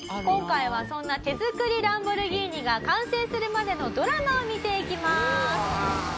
「今回はそんな手作りランボルギーニが完成するまでのドラマを見ていきます」